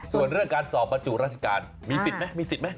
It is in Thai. ส่วนเรื่องการสอบประจุราชการมีสิทธิ์ไหม